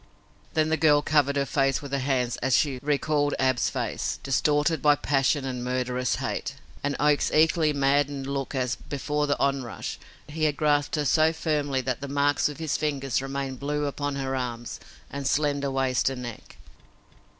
Then the girl covered her face with her hands as she recalled Ab's face, distorted by passion and murderous hate, and Oak's equally maddened look as, before the onrush, he had grasped her so firmly that the marks of his fingers remained blue upon her arms and slender waist and neck.